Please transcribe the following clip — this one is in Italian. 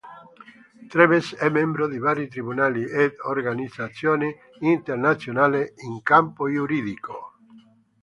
Treves è membro di vari tribunali ed organizzazioni internazionali in campo giuridico.